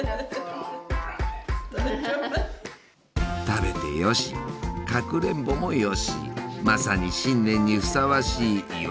食べてよしかくれんぼもよしまさに新年にふさわしい祝い菓子だ。